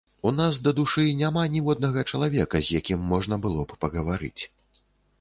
У нас, дадушы, няма ніводнага чалавека, з якім можна б было пагаварыць.